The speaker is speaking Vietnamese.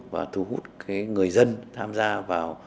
để giúp người dân tham gia vào